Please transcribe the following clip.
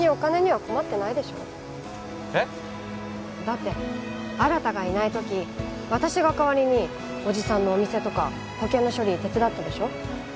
えっ？だって新がいない時私が代わりにおじさんのお店とか保険の処理手伝ったでしょ？